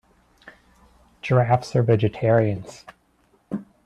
Giraffes are vegetarians.